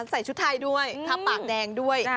ใส่ชุดไทยด้วยทับปากแดงด้วย